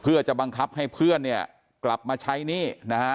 เพื่อจะบังคับให้เพื่อนเนี่ยกลับมาใช้หนี้นะฮะ